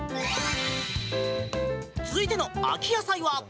続いての秋野菜は。